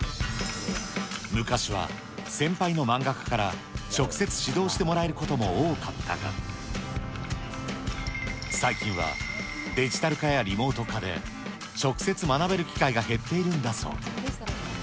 昔は先輩の漫画家から直接指導してもらえることも多かったが、最近はデジタル化やリモート化で、直接学べる機会が減っているんだそう。